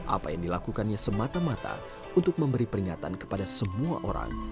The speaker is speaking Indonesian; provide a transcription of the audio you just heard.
apa yang dilakukannya semata mata untuk memberi peringatan kepada semua orang